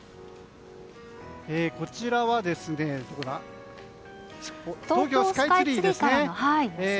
こちらは東京スカイツリーからの。